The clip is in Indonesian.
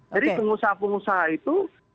jadi pengusaha pengusaha itu